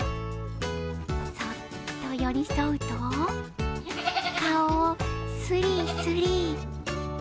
そっと寄り添うと顔をスリスリ。